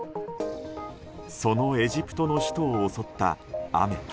そのエジプトの首都を襲った雨。